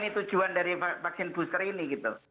tujuan dari vaksin booster ini